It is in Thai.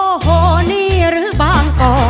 โอ้โหนี่หรือบางกอก